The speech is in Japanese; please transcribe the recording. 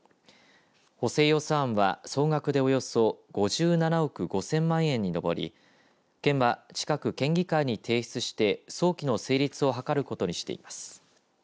補正予算は総額でおよそ５７億５０００万円に上り県は、近く県議会に提出して早期の成立を図ることにしています。